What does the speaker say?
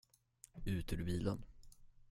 Ut ur bilen.